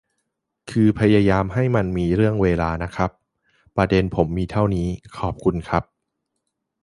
คือพยายามให้มันมีเรื่องเวลาน่ะครับ ประเด็นผมมีเท่านี้ครับ ขอบคุณครับ